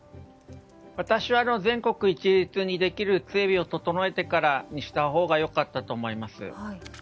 私は全国一律にできる整備に整えてからしたほうが良かったと思います。